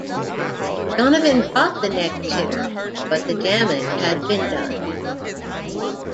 Donovan got the next hitter, but the damage had been done.